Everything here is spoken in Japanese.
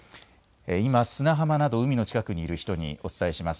今、砂浜など海の近くにいる人にお伝えします。